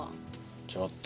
ちょっと。